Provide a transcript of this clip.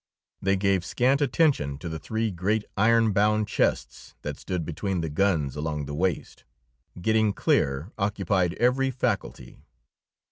They gave scant attention to the three great iron bound chests that stood between the guns along the waist; getting clear occupied every faculty.